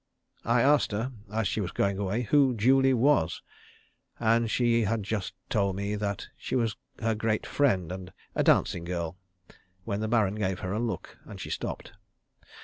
I asked her, as she was going away, who Julie was, and she had just told me that she was her great friend, and a dancing girl, when the Baron gave her a look, and she stopped.